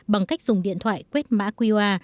bằng cách dùng điện thoại quét mã qr